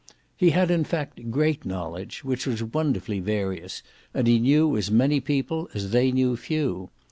He had in fact great knowledge, which was wonderfully various, and he knew as many people as they knew few.